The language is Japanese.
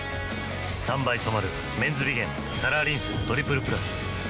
３倍染まる「メンズビゲンカラーリンストリプルプラス」